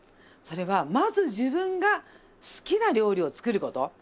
それはまず自分が好きな料理を作る事。